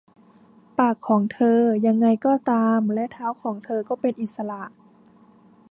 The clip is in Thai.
ปากของเธอ ยังไงก็ตาม และเท้าของเธอก็เป็นอิสระ